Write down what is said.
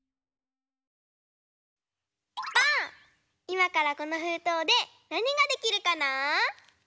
いまからこのふうとうでなにができるかな？